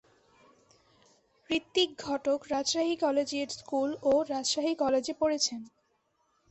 Hrithik Ghatak Rajshahi collegiate school ও রাজশাহী কলেজে পড়েছেন।